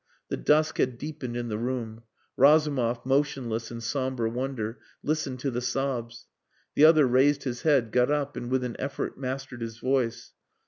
The dusk had deepened in the room. Razumov, motionless in sombre wonder, listened to the sobs. The other raised his head, got up and with an effort mastered his voice.